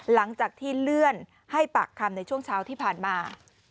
หลังจากที่เลื่อนให้ปากคำในช่วงเช้าที่ผ่านมา